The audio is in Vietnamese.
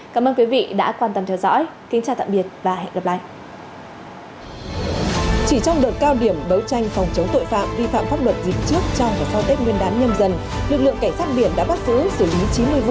cảm ơn quý vị đã quan tâm theo dõi kính chào tạm biệt và hẹn gặp lại